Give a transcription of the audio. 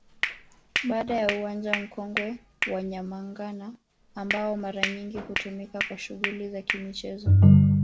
Baada ya Uwanja Mkongwe wa Nyamagana ambao mara nyingi hutumika kwa shughuli za Kimichezo